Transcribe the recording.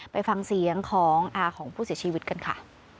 ไปฟังเสียงของอาของผู้เสียชีวิตกันค่ะ